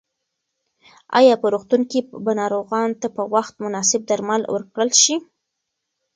ایا په روغتون کې به ناروغانو ته په وخت مناسب درمل ورکړل شي؟